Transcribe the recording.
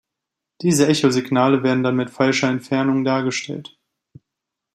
Diese Echosignale werden dann mit falscher Entfernung dargestellt.